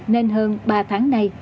nên hơn ba tháng nay